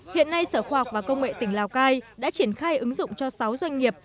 hiện nay sở khoa học và công nghệ tỉnh lào cai đã triển khai ứng dụng cho sáu doanh nghiệp